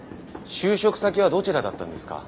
就職先はどちらだったんですか？